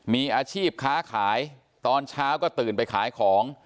มีอาชีพค้าขายตอนเช้าก็ตื่นไปขายของ